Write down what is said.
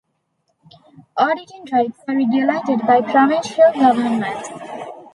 Auditing rights are regulated by provincial governments.